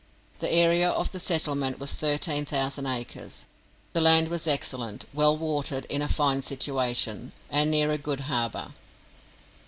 The area of the settlement was thirteen thousand acres. The land was excellent, well watered, in a fine situation, and near a good harbour.